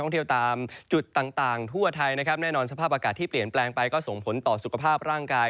เที่ยวตามจุดต่างทั่วไทยนะครับแน่นอนสภาพอากาศที่เปลี่ยนแปลงไปก็ส่งผลต่อสุขภาพร่างกาย